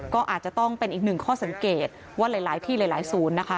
ก็อาจจะต้องเป็นอีกหนึ่งข้อสังเกตว่าหลายที่หลายศูนย์นะคะ